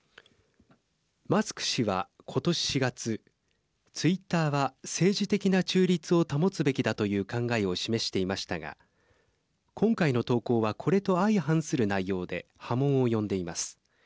マスク氏は今年４月ツイッターは政治的な中立を保つべきだという考えを示していましたが今回の投稿はこれと相反する内容で波紋を呼んでいます。